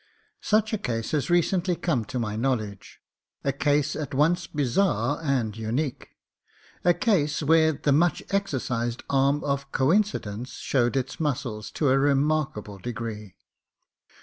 Such a case has recently come to my knowledge, a case at once bizarre and unique: a case where the much exercised arm of coincidence showed its muscles to a remaricable degree.